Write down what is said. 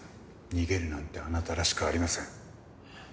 逃げるなんてあなたらしくありません。